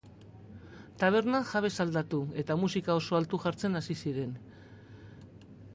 Taberna jabez aldatu, eta musika oso altu jartzen hasi ziren.